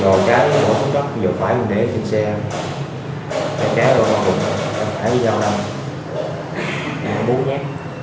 rồi cái của khu vực giờ phải đưa lên xe cái cái của khu vực phải giao lăng đàn bố nhé